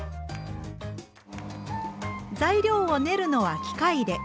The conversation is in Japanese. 材料を練るのは機械で。